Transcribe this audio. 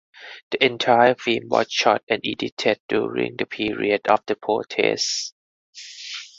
The entire film was shot and edited during the period of the protests.